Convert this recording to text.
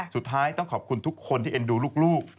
สุดท้ายต้องขอบคุณทุกคนที่เอ็นดูลูก